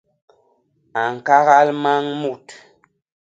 A ñkagal mañ mut.